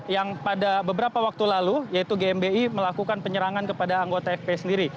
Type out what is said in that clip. yang pada beberapa waktu lalu yaitu gmbi melakukan penyerangan kepada anggota fp sendiri